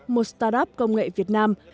một startup công nghệ việt nam